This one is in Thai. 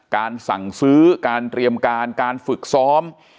การสั่งซื้อการเตรียมการการฝึกซ้อม